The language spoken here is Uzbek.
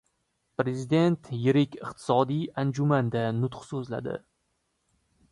Prezident yirik iqtisodiy anjumanda nutq so‘zladi